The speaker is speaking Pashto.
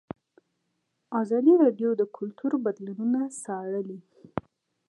ازادي راډیو د کلتور بدلونونه څارلي.